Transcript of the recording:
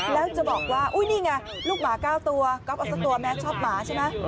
แล้วจะบอกว่าอุ้ยนี่ไงลูกหมา๙ตัวก๊อฟเอาสักตัวแม้ชอบหมาใช่ไหม